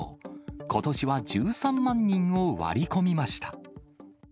ことしは１３万人を割り込みました。